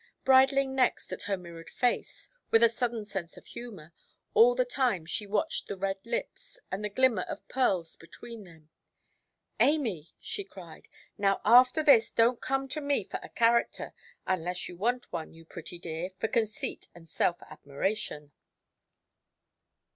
Bridling next at her mirrored face, with a sudden sense of humour, all the time she watched the red lips, and the glimmer of pearls between them, "Amy", she cried, "now, after this, donʼt come to me for a character, unless you want one, you pretty dear, for conceit and self–admiration".